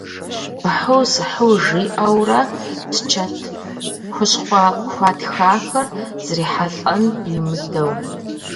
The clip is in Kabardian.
Быхьу-сыхьу жиӏэурэ псчэрт, хущхъуэ хуатхахэр зрихьэлӏэн имыдэу.